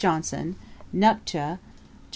Johnson, Nupta Jul.